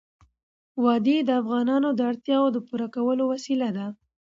وادي د افغانانو د اړتیاوو د پوره کولو وسیله ده.